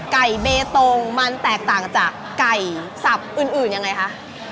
เบตงมันแตกต่างจากไก่สับอื่นยังไงคะ